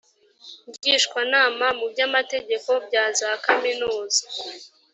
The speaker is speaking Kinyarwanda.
ngishwanama mu by amategeko bya za kaminuza